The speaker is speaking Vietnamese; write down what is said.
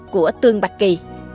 của tương bạch kỳ